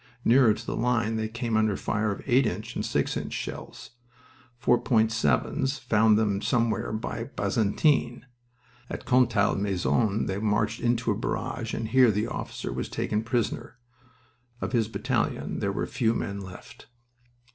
Nearer to the line they came under the fire of eight inch and six inch shells. Four point sevens (4.7's) found them somewhere by Bazentin. At Contalmaison they marched into a barrage, and here the officer was taken prisoner. Of his battalion there were few men left.